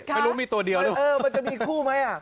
มันจะมีอีกคู่ไหม